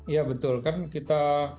ya betul kan kita